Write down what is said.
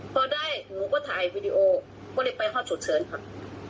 พอได้หนูก็ถ่ายวีดีโอก็เลยไปห้องฉุกเฉินค่ะ